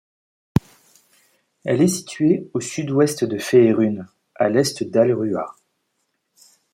Elle est située au sud-ouest de Féérune, à l'est d'Halruaa.